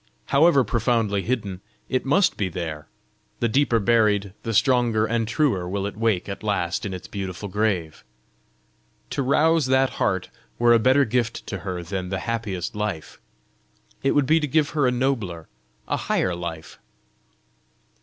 However profoundly hidden, it must be there! The deeper buried, the stronger and truer will it wake at last in its beautiful grave! To rouse that heart were a better gift to her than the happiest life! It would be to give her a nobler, a higher life!"